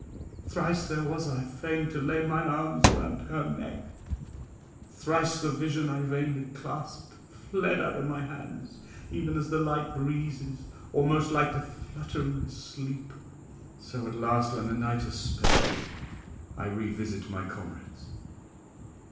Thrice there was I fain to lay mine arms round her neck; thrice the vision I vainly clasped fled out of my hands, even as the light breezes, or most like to fluttering sleep. So at last, when night is spent, I revisit my comrades.